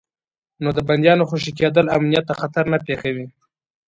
نو د بندیانو خوشي کېدل امنیت ته خطر نه پېښوي.